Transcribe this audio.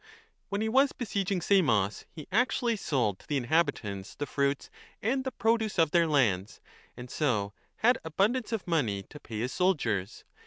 When he was besieging Samos he actually sold to the 6 inhabitants the fruits and the produce of their lands, and so had abundance of money to pay his soldiers.